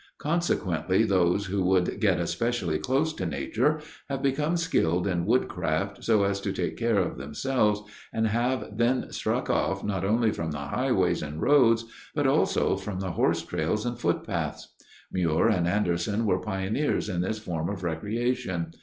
Consequently, those who would get especially close to nature have become skilled in woodcraft so as to take care of themselves and have then struck off not only from the highways and roads, but also from the horse trails and footpaths. Muir and Anderson were pioneers in this form of recreation.